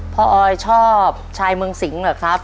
พ่อออยชอบชายเมืองสิงหรือครับ